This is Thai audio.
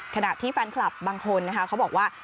ขณะที่แฟนคลับบางคนนะคะเขาบอกว่า